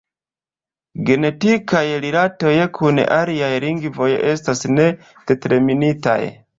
Genetikaj rilatoj kun aliaj lingvoj estas ne determinitaj.